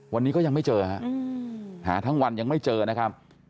วันนี้ก็ยังไม่เจอฮะหาทั้งวันยังไม่เจอนะครับ